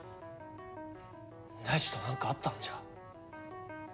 大智となんかあったんじゃ。